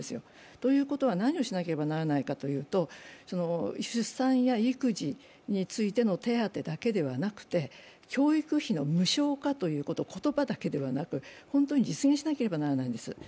ということは何をしなければならないかというと、出産や育児についての手当だけではなくて、教育費の無償化ということを言葉だけではなく本当に実現しなければならないんです。